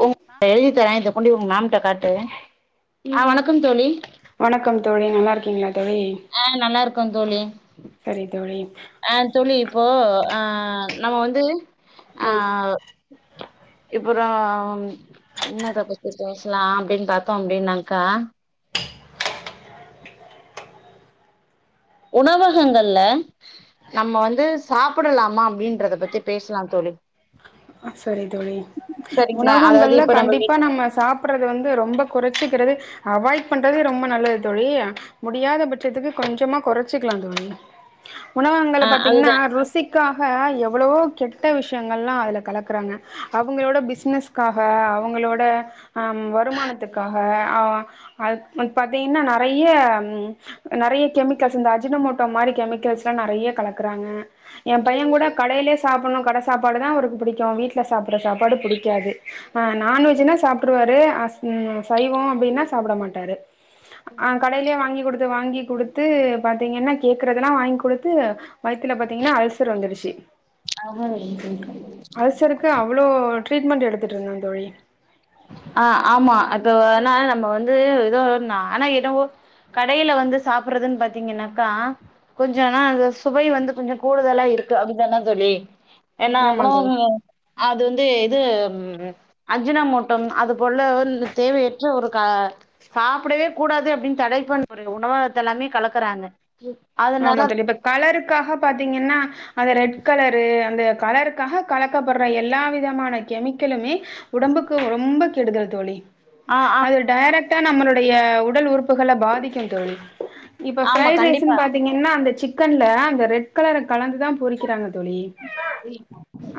ழி ஆ வணக்கம் தோழி வணக்கம் தோழி நல்லா இருக்கீங்ளா தோழி ஆ நல்லாருக்கோந் தோழி சரி தோழி ஆ தோழி இப்போ ஆ நம்ம வந்து ஆ இப்பறா என்னத்த பத்தி பேசலா அப்டின்னு பாத்தா அப்டின்னாக்கா உணவகங்கள்ல நம்ம வந்து சாப்பிடலாமா அப்டின்றத பத்தி பேசலாந் தோழி அ சரி தோழி சரிங்களா அதாவது உணவகங்கள்ல இப்ப வீ கண்டிப்பா நம்ம சா ப்படறது வந்து ரொம்ப கொறச்சிக்கிறது அவாய்ட் பண்றது ரொம்ப நல்லது தோழி முடியாத பட்சத்துக்கு கொஞ்சமா கொறச்சிக்கலாந் தோழி உணவகங்கள்ல ஆ பாத்தீங்கன்னா ருசிக்காக எவ்ளவோ கெட்ட விஷ்யங்கள்ல்லா அதுல கல க்கறாங்க அவங்களோட பிசினஸ்க்காக அவங்களோட ஆம் வருமானத்துக்காக ஆ பாத்தீங்கன்னா நெறைய நறைய கெமிக்கல்ஸ் இந்த அஜினமோட்டோ மாரி கெமிக்கல்ஸ்ல்லா நறையா கலக்கறாங்க எம்பையங்கூட கடைலே சாப்பட்ணு கட சாப்பாடு தா அவருக்கு புடிக்கு வீட்ல சாப்பட்ற சாப்பாடு புடிக்காது அ நான்வெஜ்ஜுன்னா சாப்ட்ருவாரு ஆஸ் ன் அ சைவோ அப்டினா சாப்ட மாட்டாரு அ கடைலே வாங்கி குடுத்து வாங்கி குடுத் த்து பாத்தீங்கன்னா கேக்கறதெல்லா வாய்ங் குடுத்து வய்த்துல பாத்தீங்கன்னா அல்சர் வந்துருச்சி [inaudible] க்கு அவ்ளோ ட்ரீட்மெண்ட் எடுத்துட்ருந்த தோழி அ ஆமா அப்ப வேணா நம்ம வந்து எதோ ஒன்னா ஆனாய்டு கடைல வந்து சாப்பட்றதுன் பாத்தீங்கன்னாக்கா கொஞ்ச ஆனா அது சுவை வந்து கொஞ்சோ கூடுதலா இருக்கு அப்டிதான தோழி ஏனா ஆமா தோழி உணவுகள் அது வந்து இது ம் அஜினமோட் டோம் அது போல ன்னு தேவையற்ற ஒரு கா சாப்படவே கூடாது அப்டின் தடை பண்ருக உணவகத்தெல்லாமே கலக்கறாங்க ஆமா தோழி இப்ப கலருக்காக பாத்தீங்கன்னா அந்த ரெட் கலரு அந்த கலரு க்காக கலக்கப்பட்ற எல்லா விதமான கெமிக்கலுமே உடம்புக்கு ரொம்ப கெடுதல் தோழி ஆ அது ஆமா டைரக்ட்டா நம்மளுடைய உடல் உறுப்புகள பாதிக்கு தோழி இப்ப ஆமா ஃப்ரைட் ரைஸுன் கண்டிப்பா பாத்தீங்கன்னா அந்த சிக்கன்ல அந்த ரெட் கலர கலந்துதா பொரிக்கறாங்க தோழி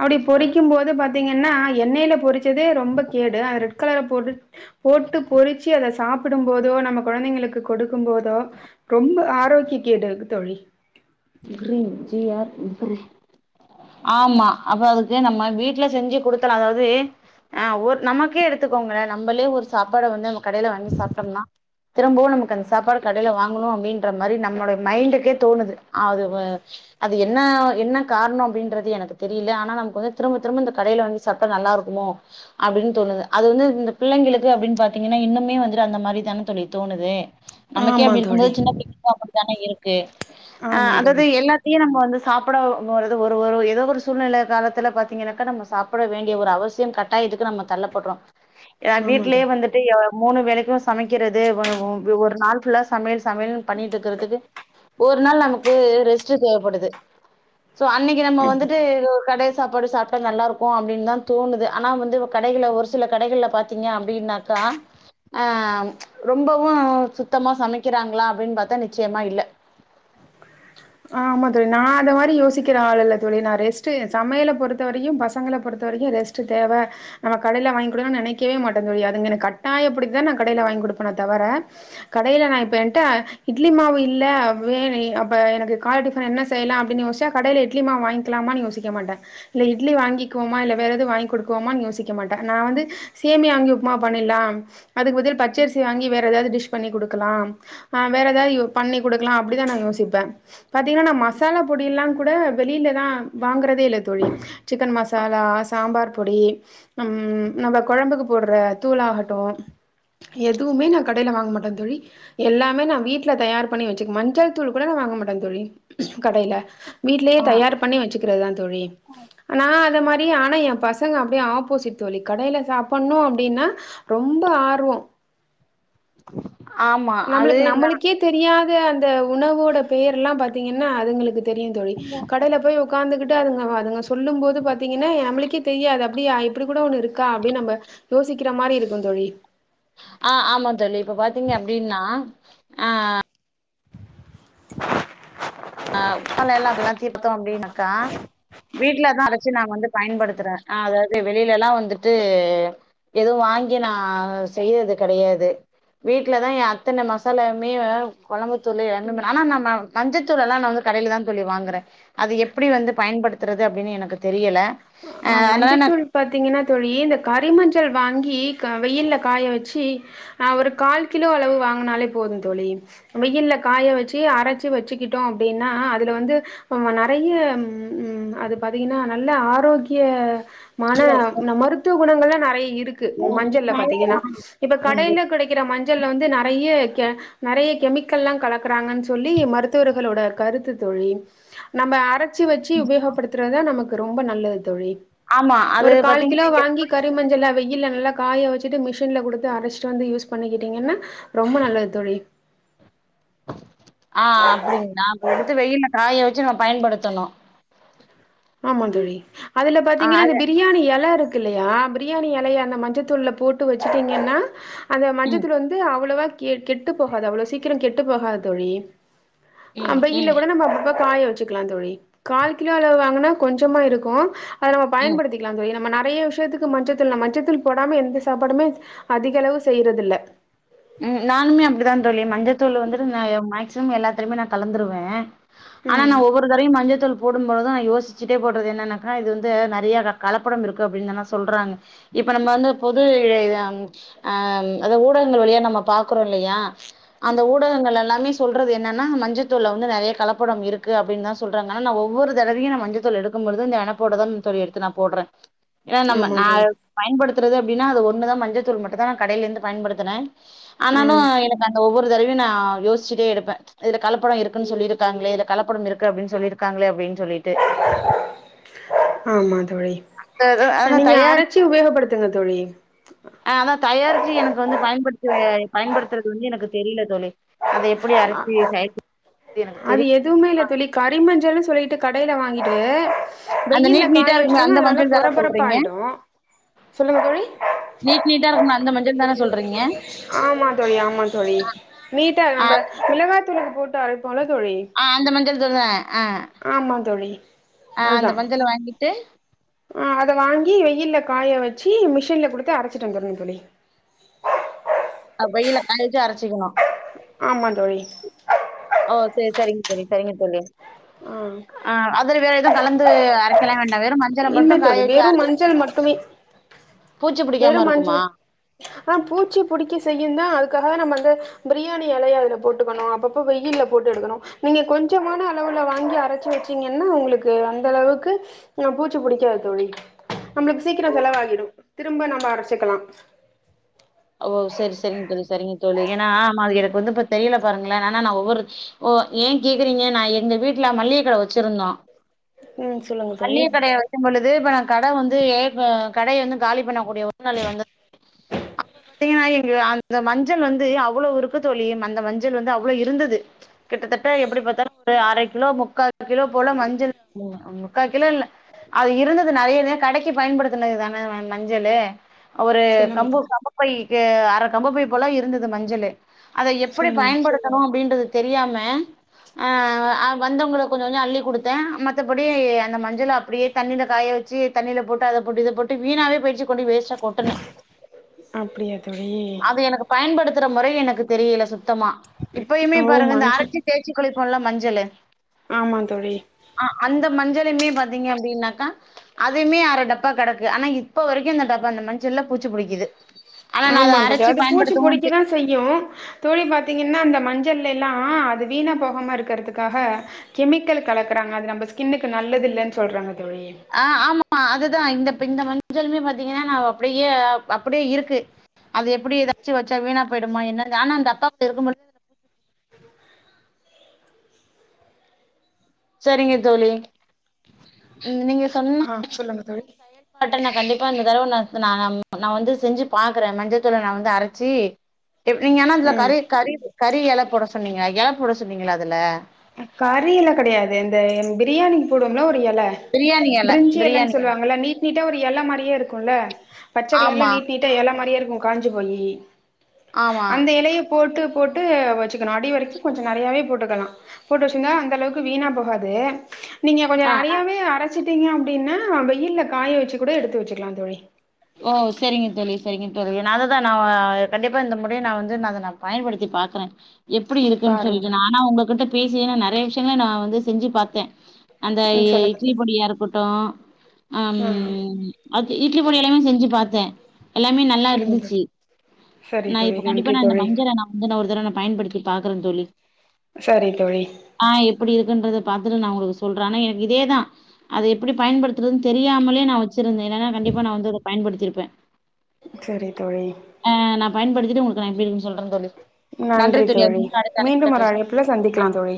அப்டி பொரிக்கும் போது பாத்தீங்கன்னா எண்ணைல பொரிக் கறதே ரொம்ப கேடு அது ரெட் கலர போட்டுட் போட்டு பொரிச்சி அத சாப் பிடும் போதோ நம்ம கொழந்தைங்களுக்கு கொடுக்கும் போதோ ரொம்ப ஆரோக்கிய கேடு கு தோழி க்ரீன் ஜி ஆர் ப்ரிஸ் ஆமா அப்ப அதுக்கு நம்ம வீட்ல செஞ்சி குடுக்கலா அதாவ்து அ ஒர் நமக்கே எடுத்துக்கோங்களே நம்பளே ஒரு சாப்பாட வந்து நம்ம கடைல வாங்கி சாப்ட்டம்ன்னா திரும்பவு நமக்கு அந்த சாப்பாடு கடைல வாங்கணு அப்டின்ற மாரி நம்ளுடைய மைண்டுக்கே தோணுது அது வ அது என்ன என்ன காரணோ அப்டின்றது எனக்கு தெரியில ஆனா நமக் வந்து திரும்ப திரும்ப இந்த கடைல வாங்கி சாப்ட்டா நல்லாருக்குமோ அப்டின் தோணுது அது வந்து இந்த பிள்ளைங்களுக்கு அப்டின் பாத்தீங்கன்னா இன்னுமே வந்துட்டு அந்த மாரி தான தோழி தோணுது நமக்கே ஆமா அப்டி தோழி இருக்கும்போது சின்ன பிள்ளைங்களுக்கு அப்பிடி தான இருக்கு அ ஆமா அதாவ்து தோழி எல்லா த்தியு நம்ப வந்து சாப்பட போறது ஒரு ஒரு எதோ ஒரு சூழ்நில காலத்துல பாத்தீங்கன்னாக்கா நம்ம சாப் பட வேண்டிய ஒரு அவசியம் கட்டாயதுக்கு நம்ம தள்ளப்பட்றோ எ ஆமா வீட்லயே தோழி வந்துட்டு எ மூணு வேளைக்குமே சமைக்கிறது ஒய ஓ பி ஒரு நாள் ஃபுல்லா சமையல் சமையல்ன் பண்ணீட்ருக்கறதுக்கு ஒரு நாள் நமக் ரெஸ்ட்டு தேவப்படுது சோ அன்னைக்கு நம்ம வந்துட்டு ஒரு கடை சாப்பாடு சாப் ட்டா நல்லாருக்கு அப்டின் தா தோணுது ஆனா வந்து கடைகள்ல ஒரு சில கடைகள்ல பாத்தீங்க அப்டின்னாக்கா அ ரொம்பவு சுத்தமா சமைக்கிறாங்ளா அப்டின் பாத்தா நிச்சயமா இல்ல ஆமா தோழி நா அந்த மாரி யோசிக்கிற ஆள் இல்ல தோழி நா ரெஸ்ட்டு சமையல பொறுத்த வரைக்கு பசங்கள பொறுத்த வரைக்கு ரெஸ் ட்டு தேவ நம்ம கடைல வாங்கி குடுக்கலான் நெனைக்கவே மாட்டே தோழி அதுங்க என்ன கட்டாயப்படுத்தி தா நா கடைல வாய்ங் குடுப்பனோ தவர கடைல நா இப்ப என்ட்ட இட்லி மாவு இல்ல வேற எ அப்ப எனக்கு கால டிஃபன் என்ன செய்யலா அப்டின் யோஸ்ச்சா கடைல இட்லி மாவு வாய்ங்களாமான் யோசிக்க மாட்டே இல்ல இட்லி வாங்கிக்குவோமா இல்ல வேற எது வாங்கி குடுக்கவோமான் யோசிக்க மாட்டே நா வந்து சேமியா வாங்கி உப்மா பண்ணீர்லாம் அதுக்கு பதில் பச்சரிசி வாங்கி வேற எதாவ்து டிஷ் பண்ணி குடுக்கலாம் ஆ வேற எதாவ்து யோ பண்ணி குடுக்கலா அப்பிடிதா நா யோசிப்பே பாத்தீங்கன்னா நா மசாலா பொடியெல்லா கூட வெளில தா வாங்கறதே இல்ல தோழி சிக்கன் மசாலா சாம்பார் பொடி நம் நம்ம கொழம்புக்கு போடுற தூளாகட்டு எதுவுமே நா கடைல வாங்க மாட்டே தோழி எல்லாமே நா வீட்ல தயார் பண்ணி வெச்சிக்கு மஞ்சள் தூள் கூட நா வாங்க மாட்டே தோழி கடைல வீட்லேயே ஆ தயார் பண்ணி வச்சுக்கிறதுதா தோழி ஆனா அது மாரி ஆனா எ பசங் சங்க அப்டியே ஆப்போசிட் தோழி கடைல சாப்பட்ணு அப்டின்னா ரொம்ப ஆர்வோ ஆமா அது நம்மளுக்கு நம்மளுக்கே தெரியாத அந்த உணவோட பெயர் எல்லா பாத்தீங்கன்னா அதுங்களுக்கு தெரியுந் தோழி கடைல போயி உ உக்காந்துகிட்டு அதுங்க அதுங்க சொல்லும் போது பாத்தீங்கன்னா நம்மளுக்கே தெரியாது அப்டியா இப்டி கூட ஒன்னு இருக்கா அப்டின்னு நம்ம யோசிக்கிற மாரி இருக்குந் தோழி ஆ ஆமா தோழி இப்ப பாத்தீங்க அப்டின்னா ஆ ஆ [unintelligible] அப்டிலா கேட்டுட்டோ அப்டின்னாக்கா வீட்லதா அரைச்சு நாங்க வந்து பயன்படுத்துறே அ அதாவ்து வெளியிலலா வந்துட்டு எதுவு வாங்கி நா செய்யறது கெடையாது வீட்லதா எ அத்தன மசாலாவுமே வெ கொழம்புத்தூளு என்னனு ஆனா நம்ம மஞ்சத் தூளுல்லா நா வந்து கடையிலதா தோழி வாங்குறே அது எப்படி வந்து பயன்படுத்தறது அப்டின் எனக்கு தெரியல அ ஆ அதனால நா மஞ்சள்த்தூள் பாத்தீங்கன்னா தோழி இந்த கறி மஞ்சள் வாங்கி க வெயில்ல காய வெச்சு அ ஒரு கால் கிலோ அளவு வாங்கினாலே போது தோழி வெயில்ல காய வச்சு அரைச்சு வச்சுக்கிட்டோ அப்டின்னா அதுல வந்து ரொம்ப நெறைய ம் ம் அது பாத்தீங்கன்னா நல்ல ஆரோக்கி க்கிய மான நம் மருத்துவ குணங்கள்லா நெறை இருக் கு மஞ்சள்ள பாத்தீங்கன்னா இப்ப கடைல கெடைக்கிற மஞ்சள்ல வந்து நிறைய கெ நெறைய கெமிக்கல்லா கலக்குறாங்கன்னு சொல்லி மருத்துவர்களோட கருத்து தோழி நம்ப அரச்சி வெச்சு உபயோகப்படுத்துறதா நமக்கு ரொம்ப நல்லது தோழி ஆமா அது ஒரு கால் கிலோ பாத்தீங்கன்னா வாங்கி கறி மஞ்சளா வெயில்ல நல்லா காய வெச்சிட்டு மிஷின்ல குடுத்து அரைச்சிட்டு வந்து யூஸ் பண்ணிக்கிட்டீங்கன்னா ரொம்ப நல்லது தோழி ஆ அப்டிங்களா அப்ப எடுத்து வெயில காய வெச்சு நம்ம பயன்படுத்தணு ஆமா தோழி அதுல ஆ பாத்தீங்கன்னா இந்த அது பிரியாணி எல இருக் க்கில்லயா பிரியாணி எலைய அந்த மஞ்சத்தூள்ள போட்டு வச்சட்டீங்கன்னா அந்த ம் மஞ்சத்தூள் வந் து அவ்ளோவா கெ கெட்டு போகாது அவ்ளோ சீக்கிரோ கெட்டு போகாது தோழி அ ம் வெயில்ல ம் கூட நம்ம அப்பப்ப காய வெச்சுக்கலா தோழி கால் கிலோ அளவு னா கொஞ்சமா இருக்கு அத நம்ம ம் பயன்படுத்திக் கலா தோழி நம்ம நெறைய விஷயத்துக்கு மஞ்சத்தூள் நா மஞ்சத்தூள் போடாம எந்த சாப்பாடுமே அதிகளவு செய்யறது இல்ல ம் நானுமே அப்படிதா தோழி மஞ்சத்தூள் வந்துட்டு நா மேக்சிமம் எல்லாத்துலையுமே நா கலந்துருவே ஆனா ம் நா ஒவ்வொரு தரையு மஞ்சத்தூள் போடும்பொழுது நா யோசிச்சுட்டே போடுறது என்னனாகா இது வந்து நெறைய க கலப்படம் இருக்கு அப்டின் தானே சொல்றாங்க இப்ப நம்ம வந்து பொது அம் அம் அதா ஊடக ங்கள் வழியா நம்ம பாக்குறோ இல்லையா அந்த ஊடகங்கள் எல்லாமே சொல்றது என்னன்னா மஞ்சத்தூள்ள வந்து நெறைய கலப்படம் இருக்கு அப்டின்னு தா சொ சொல்றாங்க ஆனா நா ஒவ்வொரு தடவையு நா மஞ்சத்தூள் எடுக்கும் பொழுது இந்த நெனப்போட தா தோழி எடுத்து நா போடுறே ஏனா நம்ம ஆமா நா தோழி பயன்படுத்துறது அப்டின்னா அது ஒன்னுதா மஞ்சத்தூள் மட்டுதா நா கடைலருந்து பயன்படுத்துறே ஆனாலு ம் எனக்கு அந்த ஒவ்வொரு தடவையு நா யோசிச்சிட்டே எடுப்பே இதுல கலப்படொ இருக்குன்னு சொல்லிருக்காங்களே இதுல கலப்படம் இருக்குன்னு சொல்லிருக்காங்களே அப்டின்னு சொல்லிட்டு ஆமா தோழி அதா நீங்க தயார் அரச்சி உபயோகப்படுத் துங்க தோழி ஆ அதா தயாரிச்சு எனக்கு வந்து பயன்படுத்துவே பயன்படுத்துறது வந்து எனக்கு தெரில தோழி அத எப்டி அரச்சி ச அது எதுவுமே இல்ல தோழி கரிமஞ்சள்னு சொல்லிட்டு கடைல வாங்கிட்டு அந்த வெயில்ல நீட் நீட்டா காய இருக்குமே வெச்சுடோனா அந்த அது நல்ல மஞ்சள் தான சொல்றீங்க பொரபொரப்பாய்டு சொல்லுங்க தோழி நீட் நீட்டா இருக்குமே அந்த மஞ்சள் தான சொல்றீங்க ஆமா தோழி ஆமா தோழி நீட்டா ஆ நம்ப மிளகாத்தூளுக்கு போட்டு அரப்போம்ல தோழி ஆ அந்த மஞ்சள் தூள்த ஆ ஆமா தோழி ஆ அந்த அதுதா மஞ்சள வாங்கிட்டு அத வாங்கி வெயில்ல காய வச்சு மிஷின்ல குடுத்து அரச்சட்டு வந்துர்ணு தோழி அவ் வெயில்ல காயவச்சி அரச்சிக்கணு ஆமாந் தோழி ஓ சரி சரி சரிங்க தோழி சரிங்க தோழி ஆ ஆ அதுல வேற எதுவு கலந்து அரைக்கலா வேண்டா வெறு மஞ் சள இல்ல மட்டு தோழி காயவச்சி வெறு மஞ்சள் அரச்சிட்டா மட்டுமே பூச்சி புடிக்காம வெறும் இருக்குமா மஞ்சள் ஆ பூச்சி புடிக்க செய்யுந்தா அதுக்காக நம்ம வந்து பிரியாணி இலையஅதுல போட்டுக்கணு அப்ப இப்போ வெயில்ல போட்டு எடுக்கணு நீங்க கொஞ்சமான அளவுல வாங்கி அரச்சு வச்சீங்கனா உங்களுக்கு அந்த அளவுக்கு அ பூச் சி புடிக்காதுதோழி நம்மளுக்கு சீக்கிர செலவாகிடு திரும்ப நம்ம அரச்சுக்கலா ஓ செரி செரிங்க தோழி செரிங்க தோழி ஏன்னா நாம அது எனக்கு வந்து இப்ப தெரியல பாருங்களே ஆனா நா ஒவ்வொரு ஓ ஏன் கேக்குறீங்க நா எங்க வீட்ல மளிகை கடை வச்சிருந்தோ ம் சொல்லுங்க தோழி மளிகை கடையா வச் கும்பொழுது இப்ப நா கடை வந்து ஏ கடையை வந்து காலி பண்ணக்கூடிய உடல்நிலை வந்து அப்ப பாத்தீங்கன்னா எங்க அந்த மஞ்சள் வந்து அவ்வளவு இருக்கு தோழி அந்த மஞ்சள் வந்து அவ்ளோ இருந்தது கிட்டத்தட்ட எப்டி பாத்தாலு ஒரு அர கிலோ முக்கா கிலோ போல மஞ்சள் முக்கா கிலோ இல்ல அது இருந்தது நெறைய கடைக்கு பயன்படுத்தினது தான மஞ்சளு ஒரு சொல்லுங்க கம்பு தோழி கட்டபைக்கு அர கம்புப்பை போலா இருந்துது மஞ்சளு அத எப்டி சொல்லுங்க பயன்படுத்தணு அப்டின்றது தெரியாம அ வந்தவங்களுக் கொஞ்சோ கொஞ்சோ அள்ளி குடுத்த மத்தபடி அந்த மஞ்சள அப்டியே தண்ணில காய வச்சு தண்ணில போட்டு அத போட்டு இத போட் வீணாவே போய்ச்சு கொண்டு வேஸ்டா கொட்டுன அப்டியா தோழி அது எனக்கு பயன்படுத்துற முறை எனக்கு தெரியல சுத்தமா இப்பயுமே ஓ பாருங்க இந்த மஞ்சள் அரச்சி தேச்சிக் குளிப்போம்ல மஞ்சளு ஆமா தோழி ஆ அந்த மஞ்சளையுமே பாத்தீங்க அப்டின்னாக்கா அதுமெ அர டப்பா கெடக்கு ஆனா இப்ப வரைக்கு இந்த டப்பா அந்த மஞ்சல்ல பூச்சு புடிக்குது ஆனா நா அத ஆமாந்த அரைச்சி அது பூச்சி புடிக்க பயன்படுத்தவு தா செய்யு தோழி பாத்தீங்கனா அந்த மஞ்சள் எல்லா அது வீணா போகாம இருக்கிறதுக்காக கெமிக்கல் கலக்குறாங்க அது நம்ம ஸ்கின்னுக்கு நல்லது இல்லன் சொல்றாங்க தோழி ஆ ஆமா அதுதா இந்த மஞ்சளுமே பாத்தீங்கனா நா அப்டியே அப்டியே இருக்கு அது எப்டி எதாச்சு வச்சா வீணா போய்டுமா என்ன ஆனா அந்த டப்பாகுள்ள இருக்கு போது சரிங்க தோழி நீங்க சொன்ன ஆ சொல்லுங்க தோழி ட்ட நா கண்டிப்பா இந்த தடவ ந நா நா வந்து செஞ்சு பாக்குற மஞ்சத்தூளை நா வந்து அரச்சி எப்படிங்கன்னா அதுல ம் கறி கறி கறி எல போட சொன்னீங்க எல போட சொன்னீங்களா அதுல அ கறியிலா கெடையாது இந்த என் பிரியாணிக்கு போடுவோம்ல ஒரு எல பிரியாணி எல பிரிஞ்சி எலன் பிரியாணி இலை. சொல்லுவாங்க இல்ல நீட் நீட்டா ஒரு எல மாரியே இருக்குல்ல பச்ச கலர்ல ஆமா நீட் நீட் ட எல மாரியே இருக்கு காஞ்சி போயி ஆமா அந்த எலைய போட்டு போட்டு வச்சிக்கனு அடி வரைக்கு கொஞ்சோ நெறையாவே போட்டுக்கலா போட்டு வச்சிர்ந்தா அந்த அளவுக்கு வீணா போகாது நீங்க கொஞ்சோ ஆ நெறையாவே அரச் சுட்டீங்க அப்டினா வெயில்ல காய வச்சி கூட எடுத்து வச்சுக்கலா தோழி ஓ செரிங்க தோழி செரிங்க தோழி நா அத தா நா கண்டிப்பா இந்த முறையு நா வந்து ந தனால் பயன்படுத்தி பாக்கற எப்டி இருக்குன் பாருங்க சொல்லிட்டு நானா உங்க கிட்ட பேசியே நா நெறைய விஷியங்கள நா வந்து செஞ்சி பாத்த அந்த ம் எ சொல்லுங்க இட்லி தோழி பொடியா இருக்கட்டு அம் ஆ அது இட்லி பொடி எல்லாமே செஞ்சு பாத்தே எல்லாமே நல்லா சொல்லுங்க தோழி இருந்துச்சி சரி நா தோழி இப்ப கண்டிப்பா நன்றி நா இந்த தோழி மஞ்சள நா மஞ்சள ஒரு தரவ நா பயன்படுத்தி பாக்கறே தோழி சரி தோழி ஆ எப்டி இருக்குன்றத பாத்துட்டு நா உங்களுக்கு சொல்ற ஆனா எனக்கு இதே தா அத எப்டி பயன்படுத்துறதுன் தெரியாமலே நா வெச்சிருந்தே இல்லனா கண்டிப்பா நா வந்து அத பயன் படுத்திருப்பே செரி தோழி ஆ நா பயன் படுத்திட்டு உங்களுக்கு நா எப்டி இருக்குன் சொல்ற தோழி நன்றி தோழி [unintelligible] அடுத்த அழைப்புல மீண்டும் ஒரு பேசுவோ அழைப்புல சந்திக்கலா ஆ தோழி